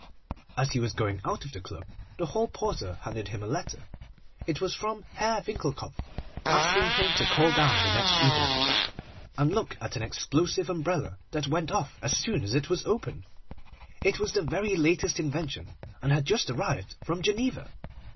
As he was going out of the club, the hall porter handed him a letter. It was from Herr Winckelkopf, asking him to call down the next evening, and look at an explosive umbrella, that went off as soon as it was opened. It was the very latest invention, and had just arrived from Geneva.